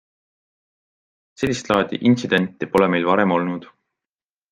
Sellist laadi intsidente pole meil varem olnud.